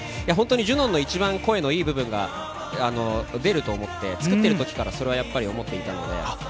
ＪＵＮＯＮの一番声のいい部分が、出ると思って、作ってるときからそれはやっぱり思っていたので。